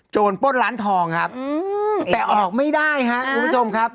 โจรโป้นหลานทองครับแต่ออกไม่ได้ฮะคุณผู้ชมครับ